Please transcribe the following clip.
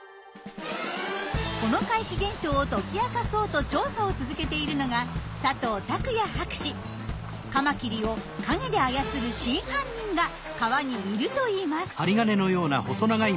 この怪奇現象を解き明かそうと調査を続けているのがカマキリを陰で操る真犯人が川にいるといいます。